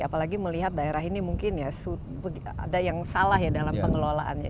apalagi melihat daerah ini mungkin ya ada yang salah ya dalam pengelolaannya